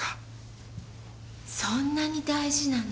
そんなに大事なの？